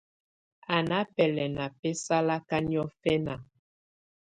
Á nà bɛlɛ̀na bɛ̀salakà niɔ̀fɛna.